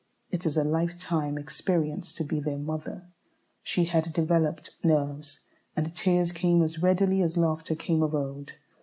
It is a lifetime experience to be their mother. She had developed nerves, and tears came as readily as laughter came of old.